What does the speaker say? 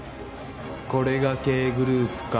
これがＫグループか。